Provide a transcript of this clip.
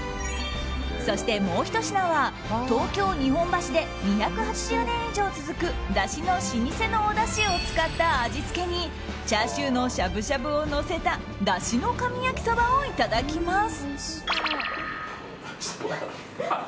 そして、もうひと品は東京・日本橋で２８０年以上続くだしの老舗のおだしを使った味付けにチャーシューのしゃぶしゃぶをのせただしの神焼きそばをいただきます。